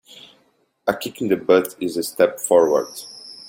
A kick in the butt is a step forward.